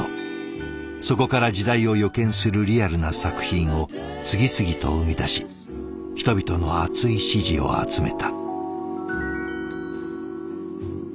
そこから時代を予見するリアルな作品を次々と生み出し人々の熱い支持を集めた。